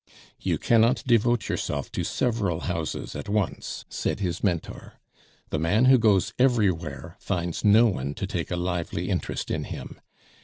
"You cannot devote yourself to several houses at once," said his Mentor. "The man who goes everywhere finds no one to take a lively interest in him.